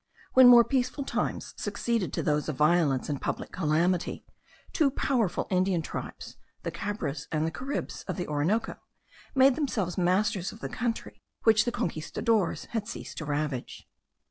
When more peaceful times succeeded to those of violence and public calamity, two powerful Indian tribes, the Cabres and the Caribs of the Orinoco, made themselves masters of the country which the Conquistadores had ceased to ravage.